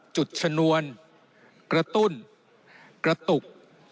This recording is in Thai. จุดชนวนกระตุ้นกระตุก